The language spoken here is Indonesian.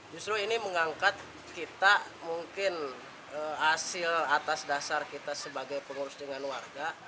justru ini mengangkat kita mungkin hasil atas dasar kita sebagai pengurus dengan warga